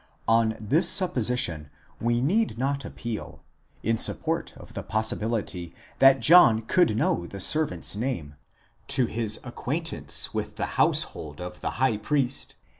On this supposition, we need not appeal, in sup port of the possibility that John could know the servant's name, to his ac quaintance with the household of the high priest